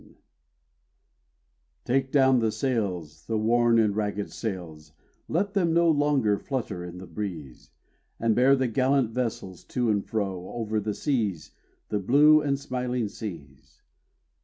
_ Take down the sails, the worn and ragged sails, Let them no longer flutter in the breeze, And bear the gallant vessels to and fro Over the seas, the blue and smiling seas.